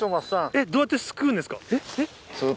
えっどうやってすくうんですか？